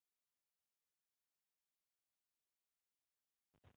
阳城光黑腹菌是属于牛肝菌目黑腹菌科光黑腹菌属的一种担子菌。